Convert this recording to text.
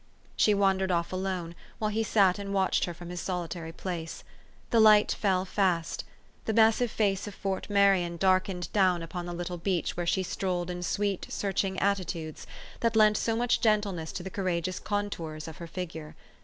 She wandered off alone, while he sat and watched her from his solitary place. The light fell fast; the massive face of Fort Marion darkened down upon the little beach where she strolled in sweet, search ing attitudes, that lent so much gentleness to the courageous contours of her figure.